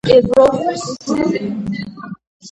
ერთვის იორს მარცხნიდან.